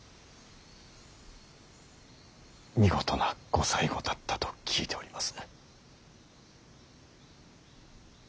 見事なご最期だったと聞いております。